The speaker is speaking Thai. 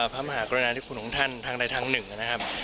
พร้าหมอหากรณานิขุงของท่านทางในทาง๑นะครับ